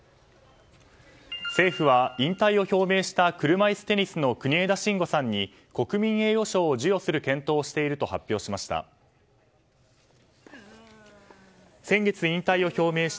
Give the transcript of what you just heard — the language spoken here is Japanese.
政府は、引退を表明した車いすテニスの国枝慎吾さんに国民栄誉賞を授与する検討をしていると発表しました。